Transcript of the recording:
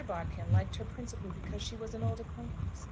Bodkin liked her principally because she was an old acquaintance.